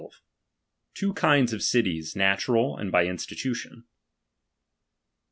Two kmds of cities, natural, and by iustttution I.